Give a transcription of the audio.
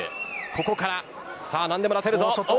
ここからなんでも出せるぞ。